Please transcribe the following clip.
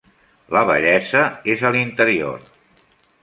La bellesa és a l'interior.